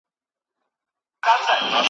زه د عمر مسافر سوم ماته مه وینه خوبونه .